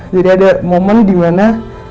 jadi ada momen dimana